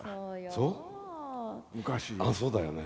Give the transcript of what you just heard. あっそうだよね。